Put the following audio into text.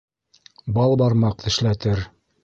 Бал бармаҡ тешләтер.